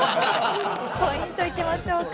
ポイントいきましょうか。